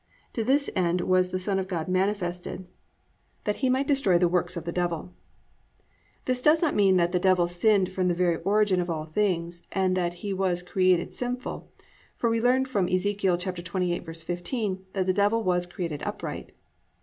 To this end was the son of God manifested, that he might destroy the works of the devil."+ This does not mean that the Devil sinned from the very origin of all things and that he was created sinful, for we learn from Ezek. 28:15 that the Devil was created upright.